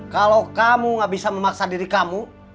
kalo kamu ga bisa memaksa diri kamu